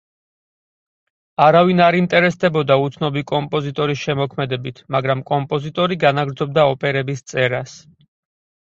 არავინ არ ინტერესდებოდა უცნობი კომპოზიტორის შემოქმედებით, მაგრამ კომპოზიტორი განაგრძობდა ოპერების წერას.